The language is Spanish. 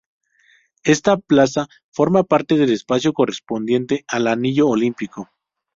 Esta plaza forma parte del espacio correspondiente al Anillo Olímpico.